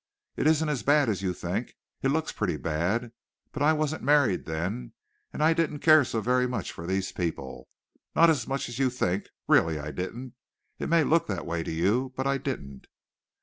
"It isn't as bad as you think. It looks pretty bad, but I wasn't married then, and I didn't care so very much for these people not as much as you think; really I didn't. It may look that way to you, but I didn't."